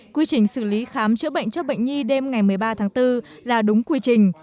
quy trình xử lý khám chữa bệnh cho bệnh nhi đêm ngày một mươi ba tháng bốn là đúng quy trình